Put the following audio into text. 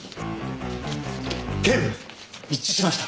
警部一致しました。